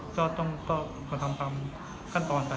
ก็ต้องก่อนทำตามกั้นตอนไว้